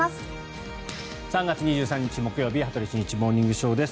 ３月２３日、木曜日「羽鳥慎一モーニングショー」。